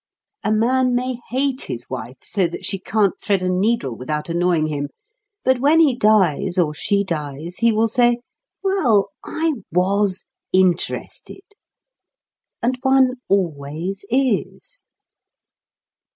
A man may hate his wife so that she can't thread a needle without annoying him, but when he dies, or she dies, he will say: "Well, I was interested." And one always is.